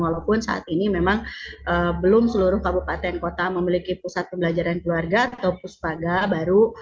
walaupun saat ini memang belum seluruh kabupaten kota memiliki pusat pembelajaran keluarga atau puspaga baru